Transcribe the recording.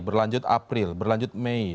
berlanjut april berlanjut mei